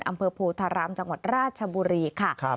อำเภอโพธารามจังหวัดราชบุรีค่ะ